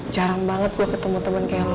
jarang banget gue ketemu temen kayak lo